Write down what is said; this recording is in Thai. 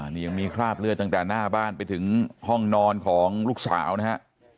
นี่ยังมีคราบเลือดตั้งแต่หน้าบ้านไปถึงห้องนอนของลูกสาวนะฮะ